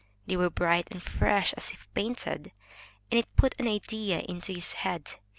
They were bright and fresh as if painted, and it put an idea into his head.